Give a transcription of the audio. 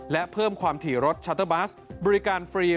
และเพิ่มความถี่รถชัตเตอร์บัสบริการฟรี